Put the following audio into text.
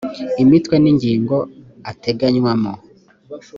imitwe n’ingingo ateganywamo